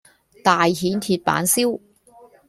大蜆鐵板燒